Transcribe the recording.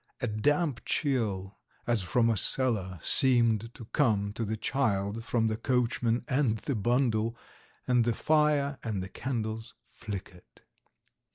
A damp chill, as from a cellar, seemed to come to the child from the coachman and the bundle, and the fire and the candles flickered.